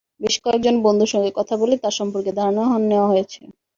বেশ কয়েকজন বন্ধুর সঙ্গে কথা বলে তাঁর সম্পর্কে ধারণা নেওয়া হয়েছে।